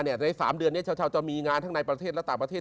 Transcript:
ใน๓เดือนนี้ชาวจะมีงานทั้งในประเทศและต่างประเทศ